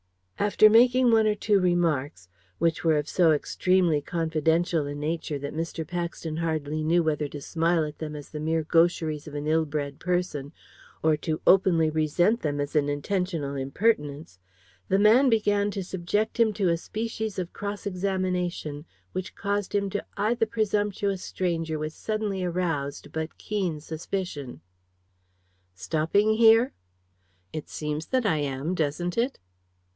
After making one or two remarks, which were of so extremely confidential a nature that Mr. Paxton hardly knew whether to smile at them as the mere gaucheries of an ill bred person, or to openly resent them as an intentional impertinence, the man began to subject him to a species of cross examination which caused him to eye the presumptuous stranger with suddenly aroused but keen suspicion. "Stopping here?" "It seems that I am, doesn't it?"